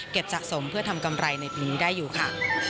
สะสมเพื่อทำกำไรในปีนี้ได้อยู่ค่ะ